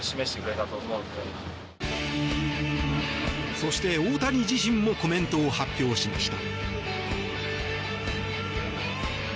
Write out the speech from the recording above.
そして、大谷自身もコメントを発表しました。